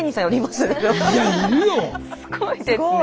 すごいですね。